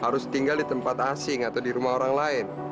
harus tinggal di tempat asing atau di rumah orang lain